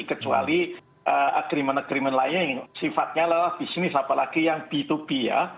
kecuali agreement agreement lain yang sifatnya adalah bisnis apalagi yang b dua b ya